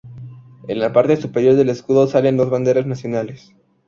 En la parte superior del escudo salen dos banderas nacionales.